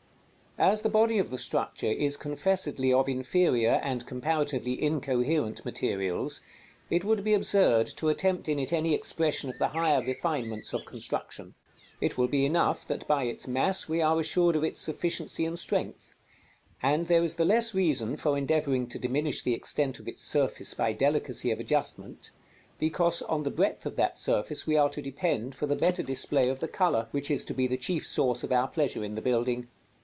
_ As the body of the structure is confessedly of inferior, and comparatively incoherent materials, it would be absurd to attempt in it any expression of the higher refinements of construction. It will be enough that by its mass we are assured of its sufficiency and strength; and there is the less reason for endeavoring to diminish the extent of its surface by delicacy of adjustment, because on the breadth of that surface we are to depend for the better display of the color, which is to be the chief source of our pleasure in the building.